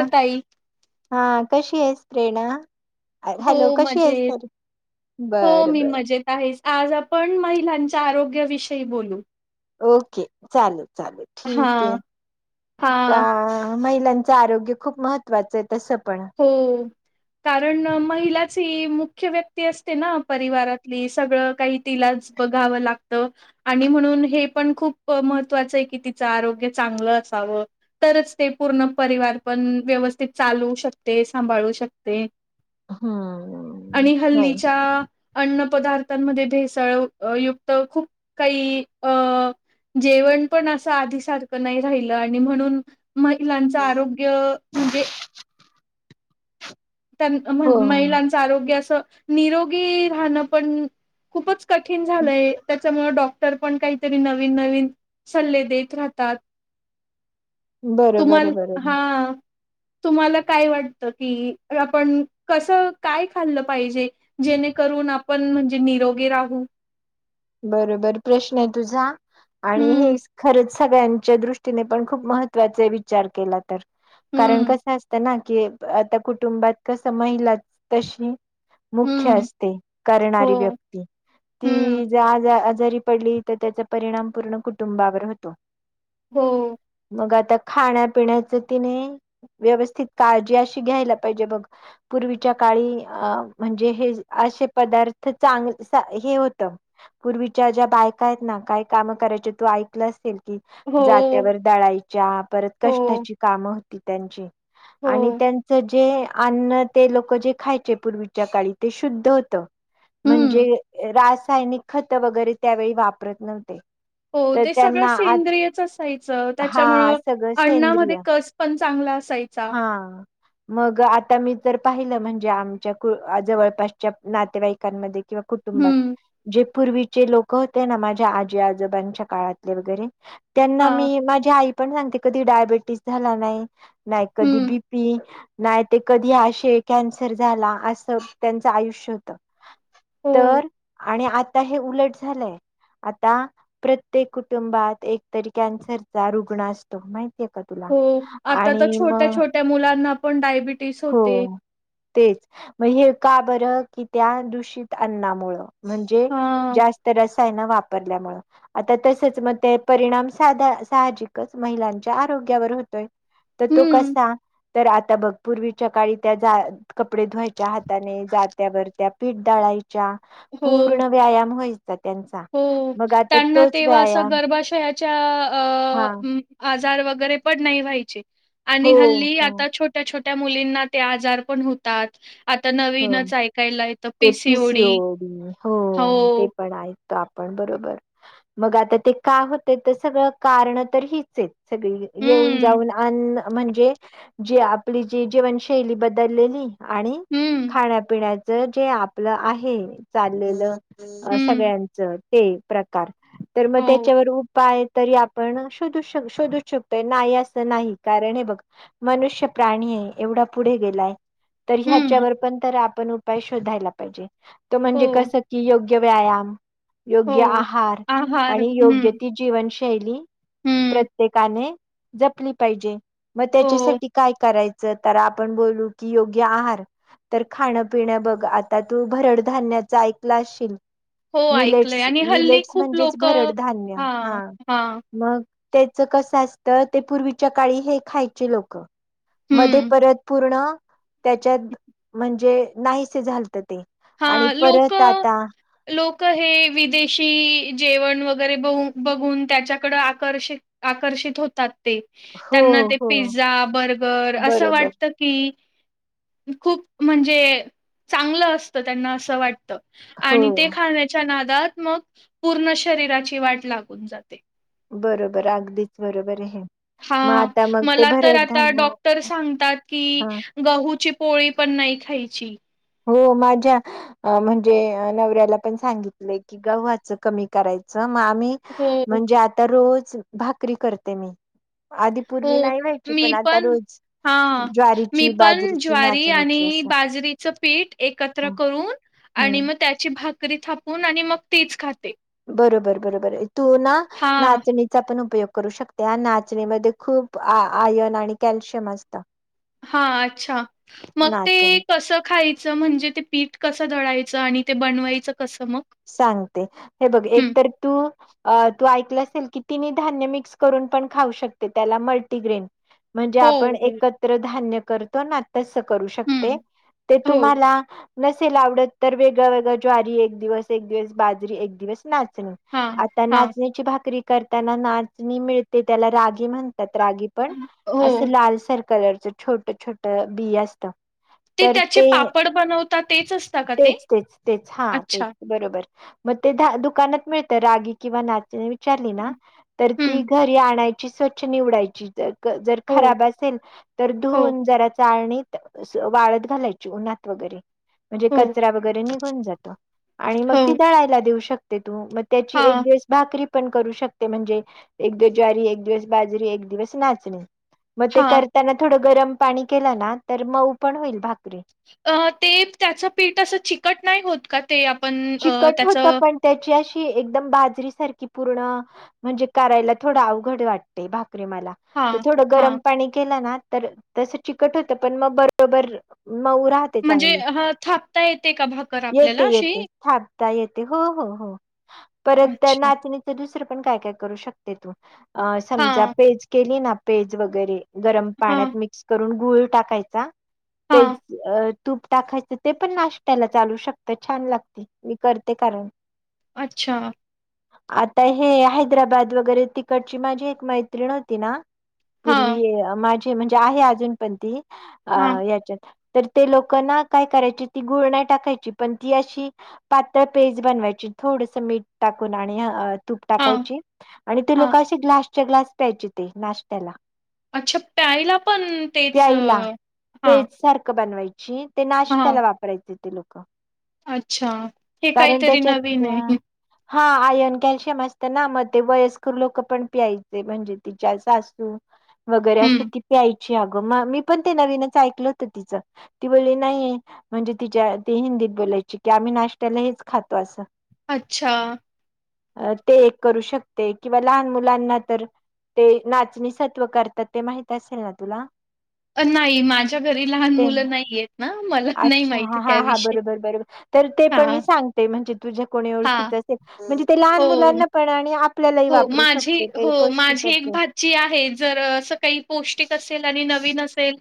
ह ताई हा कशी आहेस प्रेरणा अ, हो हॅलो कशी आहेस मजेत सॉरी हो बरं मी बरं मजेत आहेच. आज आपण महिलांच्या आरोग्याविषयी बोलू. ओके चालेल चालेल ठीक आहे हां हां का. महिलांचं आरोग्य खूप महत्त्वाचं आहे तसं पण हम्म. कारण महिलाच ह मुख्य व्यक्ती असते ना परिवारातली सगळं काही तिला. बघाव लागत आणि म्हणून हे पण खूप महत्वाच की तिच आरोग्य चांगल तरच ते पूर्ण परिवार पण व्यवस्थित चालू शक ते सांभाळू शकते हम्म आणि नाही हल्लीच्या अन्न पदार्थ मध्ये देसाळ युक्त खूप काही अ जेवण पण असं आधी सारखं नाही राहिलं आणि म्हणून महिलांचं आरोग्य म्हणजे त्यां म्ह हो महिलांचं आरोग्य असं निरोगी राहणं पण खूपच कठीण झालंय त्यामुळे डॉक्टर पण काहीतरी नवीन नवीन सल्ले देत राहतात बरोबर आहे, तुम्हाला बरोबर हा तुम्हाला काय वाटत की आपण कसं काय खाल्लं पाहिजे जेणेकरून आपण म्हणजे निरोगी राहू यथधदफचथज्ञस बरोबर प्रश्न आहे तुझा आणि हम्म हे खरच सगळ्यांच्या दृष्टीने पण खूप महत्त्वाचे विचार केला तर कारण हम्म, कसं असतं ना की आता कुटुंबात कस महिला तशी मुख्य हम्म, असते करणारी हो, व्यक्ती हम्म, ती आजारी पडली तर त्याचा परिणाम पूर्ण कुटुंबावर होतो हो मग आता खाण्यापिण्याच ति नाही व्यवस्थित काळजी अशी घ्यायला पाहिजे बग पूर्वीच्या काळी अ म्हणजे हे असे पदार्थ चांग हे होत पूर्वीच्या ज्या बायका आहेत ना काय काम करायचे तू ऐकलं असेल कि हो, जात्यावर दळायच्या परत हो, कष्टाची कामं होती त्यांची आणि हो, त्यांच जे अन्न ते लोक जे खायचे पूर्वीच्या काळी ते शुद्ध होत हम्म, म्हणजे रासायनिक खतं वगैरे त्यावेळी वापरत नव्हते हो तर ते सगळं त्यांना आज सेंद्रियच असायचं हा त्याच्यामुळं सगळं सेंद्रिय अण्णामध्ये कस पण चांगलं ला असयचा हां. मग आता मी जर पाहिलं म्हणजे आमच्या जवळपासच्या नातेवाईकांमध्ये किंवा कुटुंबात हम्म, जे पूर्वीचे लोक होते ना माझ्या आजी आजोबांच्या काळातले वगैरे त्यांना हां, मी माझी आई पण सांगते कधी डायबेटीस झाला नाही नाही कधी हम्म, बी पी नाही ते कधी असे कॅन्सर झाला असं त्यांचं आयुष्य होत होम आणि आता हे उलट झालंय आता प्रत्येक कुटुंबात एकतरी कॅन्सरचा रुग्ण असतो मा का तुला हो. आता तर आणि मग छोट्या-छोट्या मुलांना पण डायबिटीज हो होते. तेच मग हे का बरं की त्या दूषित अन्नामुळं म्हणजे हां, जास्त जास्त ल्या त म परिणा मच्या आ होतोय तर तो हम्म, कसा तर आता बघ पूर्वीच्या काळी त्या कपडे धुवायच्या हाताने जात्यावर त्या पीठदाळा हो. पूर्ण व्यायाम व त्यांचा हो. मग आता त्यांना तोच तेव्हा असं व्यायाम गर्भाशयाच्या हा आजार वगैरे पण नाही व्हायचे आणि हो हल्ली हो आता छोट्या छोट्या मुलींना ते आजार पण होतात आता हो नवीनच ऐकायला येतं पीसीओडी हो ते पण ऐकतो आपण बरोबर मग आता ते काय होतय तर सगळं कारण तर हिच सगळी येऊन हं, जाऊन अन् म्हणजे जी आपली जी जीवनशैली बदललेली आणि हं, खाण्यापिण्याच जे आपलं आहे चाललेलं हं. सगळ्यांच ते प्रकार तर मग हो. त्याच्यावर उपाय तरी आपण शोधू शोधू शकतो नाही असं नाही कारण हे बघ मनुष्य प्राणी एवढा पुढे गेलाय तर हं. ह्याच्यावर पण आपण उपाय शोधायला पाहिजे तो म्हणजे हो, कस की योग्य व्यायाम योग्य हो. आहार आहार. आणि हं, योग्य ती जीवन शैली हं. प्रत्येकाने जपली पाहिजे मग हो, त्याच्यासाठी काय करायच तर आपण बोलू की योग्य आहार तर खाणपिण बघ आता तू भरडधान्याच ऐकलं असशील हो ऐकलंय मिलेट्स आणि हल्ली मिलेट्स खूप म्हणजेच लोकं भरड धान्य हां, हा हां. मग त्याच कसं असतं ते पूर्वीच्या काळी हे खायचे लोकं मध्ये हं. परत पूर्ण त्याच्यात म्हणजे नाहीसे झालत ते हा आणि लोक परत आता लोक हे विदेश शी जेवण वगैरे ब बघून त्याच्याकड आकर्ष आकर्षित होतात हो त्यांना ते हो पिझ्झा बर्गर असं बरोबर वाटत की खूप म्हणजे चांगलं असत त्यांना असं वाटतं हो आणि ते खाण्याच्या नादात मग पूर्ण शरीराची वाट लागून जाते बरोबर अगदीच बरोबर आहे हा मग आता मग ते मला तर भरड आता धान्य डॉक्टर सांगतात की हा गहूची पोळी पण नाही खायची हो माझ्या म्हणजे नवऱ्याला पण सांगितलंय की गव्हाच कमी करायचं आम्ही हो. म्हणजे आता रोज भाकरी करते मी आधी हो पूर्वी नाही व्हायची पण आता रोज हा मी ज्वारीची पण बाजरीची ज्वारी नाचणीची आणि असं बाजरी पीठ एकत्र करून आणि हम्म मग त्याची भाकरी थापून आणि मग तीच खात बरोबर बरोबर तू ना हा नाचणीचा पण उपयोग करू शकते नाचणीमध्ये खूप आयर्न आणि कॅल्शियम असतं हा अच्छा मग ते नाचणी कस खायच म्हणजे ते पीठ कसडयचं आणि ते बनवायचं कसं मग सांगते हे बघ एक हम्म तर तू तू ऐक ेल की ति धान्य मिक्स करून पण खाऊ शकते त्याला मल्टीग्रेन म्हणजे हो आपण हो एकत्र धान्य करतो ना हम्म हो तुमला न आव वेगळ वग ज् दिवस एक दिवस बाजरी एक दिवस नाच हा आ हा नाचण्याची भाकरी ताना नाचणी मिते त्याला राग म्हणतात राग पण अस हो लाल स कलरच छोट छोट बी असत ते त्याचे पापड बनवते तेच तेच तेच हा अच्छा तेच बरोबर मग ते दुकानात मिळत तर रागी किंवा नातीने विचारली ना तर ती हम्म घरी आणायची स्वच्छ निवडायची जर हो खराब असेल तर हो धुून जरा चाणी वाळत घालायची उन्हात वगैरे म्हणजे हो कचरा वगैरे निघून जातो आणि मग हो ती दळायला देऊ शकतो त मग त्याची हा एक दिवस बाकरी पण करू शकते म्हणजे एक दि ज्वारी एक दिवस बाजरी एक दिवस नाचणी मग ते हा करताना थोडं गरम पाणी केलं ना तर मऊ पण होईल भाकरी अ ते त्याच पीठ असं चिकट नाही होत का ते आपण अ, चिकट होत त्याचं पण त्याची अशी एकदम बाजरी सारखी पूर्ण म्हणजे करायला थोड अवघड वाटते बा ला तर हां, थोडं हां. गरम पाणी केलं ना तर तस चिकट होतं पण मग बरोबर मऊ राहते म्हणजे चांगली. थापता येते का भाकर आपल्याला अशी आत्ता येते. हो हो हो परत त्या अच्छा. नाचणीच दुस- पण काय काय करू शकते तू. समजा हां, पेज केली ना? पेज वगैरे- गरम हां, पाण्यात मिक्स करून गूळ टाकायचा. पेज हां. अ - तूप टाकायचं. ते पण नाश्त्याला चालू शकत. छान लागत मी करते कारण. अच्छा. आता हे हैदराबाद वगैरे तिकडची माझी एक मैत्रीण होती ना- पूर्वी हां, माझी म्हणजे आहे अजून पण ती. अ हां, याच्यात- तर ते लोकना काय करायची ती गुळ नाही टाकायची. पण ती अशी- पातळ पेस्ट बनवायची थोडस मीठ टाकून आणि- तूप हां, टाकायची आणि ते हां. लोक असे ग्लासच्या ग्लास प्यायचे ते नाश्त्याला. अच्छा प्यायला पण तेच, प्यायला हा. पेज सारखं बनवायची ते नाश त्याला वापरायचे ते लोक. अच्छा. हे कारण काहीतरी त्याच्यात नवीन अ आहे. हा. आयर्न कॅल्शियम असत ना? मग ते वयस्कर लोक पण प्यायचे म्हणजे तिच्या सासू- वगैरे असं हं. कि प्याय- ची अग. मी पण ते नवीनच ऐकल होत तिच. ती बोलली नाही, म्हणजे तिच्या - ते बोलायची की आम्ही नाशत्याला हेच खातो असं- अच्छा. अ ते एक करू शकते किंवा लहान मुलांना तर- ते नाचणीसत्त्व करतात ते माहित असेल ना तुला? नाही माझ्या घरी लहान ते मुलं नाहीयेत. अच्छा. हा हा. बरोबर बरोबर तर ते पण मी हां, सांगते म्हणजे- तुझ्या कोणी हां. ओळखीत असेल. म्हणजे ते लहान हो. मुलांना पण आणि- आपल्यालाही वापरू माझी शकतो ते हो माझी पौष्टिकच एक आहे भाची आहे जर काही पौस्टीक असेल आणि-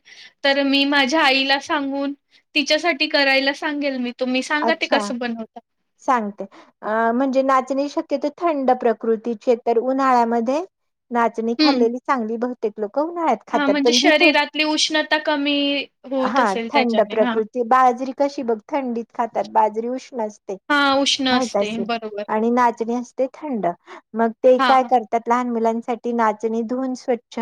तर मी माझ्या आईला सांगून तिच्यासाठी करायला सांगेल मी. तुम्ही सांगा ते अच्छा कसं बनवता? सांगते. अ म्हणजे नाचणी शक्य त थंड प्रकृतीचिये तर उन्हाळ्यामध्ये- नाचणी हम्म खाल्लेली चांगली. बहुतेक लोक- उन्हाळ्यात हा खातात म्हणजे पण जिथे, शरीरातली उष्णता कमी होत हा. असेल थंड त्याच्याने हा प्रकृती बा- बाजरी कशी बघ थंडीत खातात. बाजरी उष्ण असते. हा उष्ण माहित असते. असेल बरोबर. आणि नाचणी असते थंड. मग ते हा काय करतात लहान मुलांसाठी ना - चणी धूवून स्वच्छ,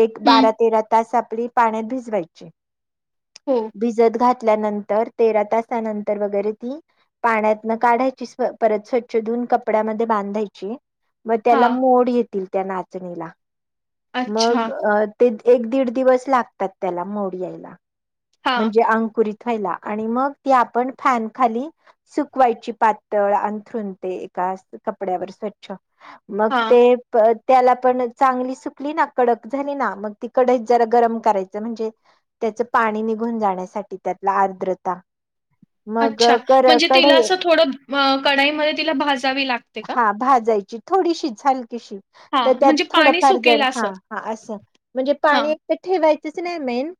एक हम्म बारा तेरा तास आपली पाण्यात भिजवायची. हो भिजत घातल्यानंतर तेरा तासानंतर वगैरे ती- पाण्यातन काढायची. परत स्वच्छ धुवून कपड्यामध्ये बांधायची- मग हा त्याला मोड येतील त्या नाचणीला. अच्छा मग अ- ते एक दीड दिवस लागतात त्याला मोड यायला. हा म्हणजे अंकुरीत - व्हायला आणि मग ती आपण फॅन खाली सुकवायची पातळ अंथरून ते - कपड्यावर स्वच्छ. मग हा ते- त्याला पण चांगली सुकली ना? कडक झाली ना? मग ती कढइत जरा गरम करायच म्हणजे- त्याच पाणी निघून जाण्यासाठी. त्यातला आर्द्रता. मग अच्छा कर म्हणजे तिला कढई असं थोडं कडाईमध्ये तिला भाजावी लागते का? थोडीशी झाली. क हा तर त्यात म्हणजे पाणी थोडफार जर सुकेल असं हाा असं. म्हणजे हा पाणी एक तर ठेवायचंच नाही मेन-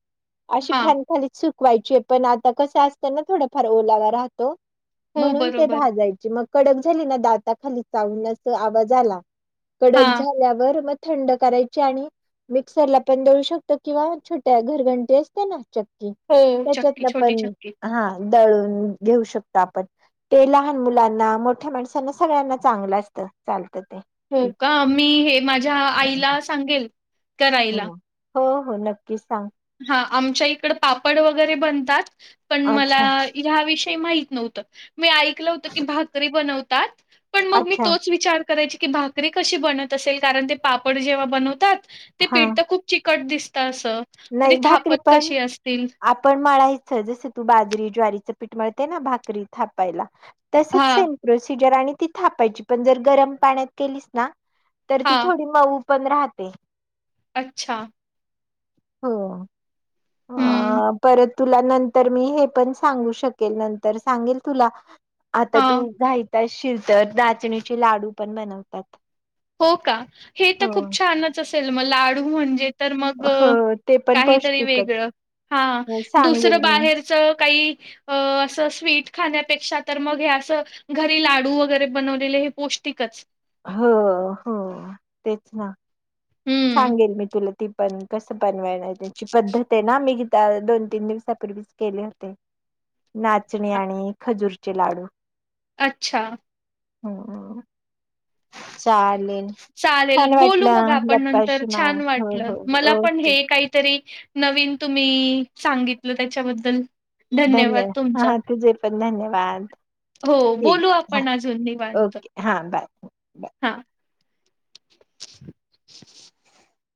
अशी हा फॅनखालीच सुकवायची. पण आता कसं असतना थोडफार ओलावा राहतो. हो म्हणून ते बरोबर भाजायची. मग कडक झाली ना? दाता खाली चावून अस आवाज आला- कडक हां. झाल्यावर म- थंड करायची आणि मिक्सरला पण दळू शकता किंवा छोट्या घरघंटी असते ना? हो, चक्की, त्याच्यातन छोटी पण, चक्की. हा. दळून घेऊ शकतो आपण. ते लहान मुलांना, मोठ्या माणसांना सगळ्यांना चांगलं असतं चालत. हो का मी हे माझ्या आईला सांगेल हो हो हो नक्कीच सांग हा आमच्या इकड पापड वगैरे बनतात पण मला अच्छा ह विषयी माहिती मी ऐकलं होत की भाकरी बनवतात पण मग मी अच्छा तोच विचार कराय की भाकरी कशी बनत असेल कारण ते पापड जेव्हा बनवतात ते हा पीठत खूप चिकट दिस तस नाही भाकरी पण आपण मळायचं जस तू बाजरी ज्वारीच भा त स हां, प्र ती थापायची पण जर गरम पाण्यात केलीस ना तर ती हां. थोडी मऊ पंधराात अच्छा हो हं. अ परत तुला नंतर मी हे पण सांगू शकेल नंतर सांगेल तुला आता हां. तू घायचा असशील तर दचणीचे लाडू पण बनवतात हो का हे तर हो खूप छानच असेल मग लाडू म्हणजे तर मग हो ते पण काहीतरी पौष्टिकच वेगळं हा हो सांगेल दुसरं मी बाहेरच काही अ असं स्वीट खाण्यापेक्षा तर मग हे अस घरी लाडू वगैरे बनवलेले हे पो ठीकच हो हो तेच ना हम्म. सांगेल मी तुला ती पण कस पण वळ त्याची पद्धत आहे ना मी त्या दोन तीन दिवस ूवी केले होते नाचणी आणि खजूरचे लाडू अच्छा हम् चालेल चालेल छान बोलू मग वाटलं आपण नंतर गप्पाशी मा छान हो वाटलं हो मला पण ओके हे काहीतरी नवीन तुम्ही सांगितलं त्याच्याबद्दल धन्यवाद धन्यवा तुमचा हा तुझे पण धन्यवाद हो बोलू ठीक आहे आपण अजून हा निवांत ओके हा बाय बाय आईणतथ